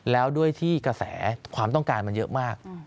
แล้วด้วยที่กระแสความต้องการมันเยอะมาก